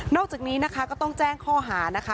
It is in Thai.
อกจากนี้นะคะก็ต้องแจ้งข้อหานะคะ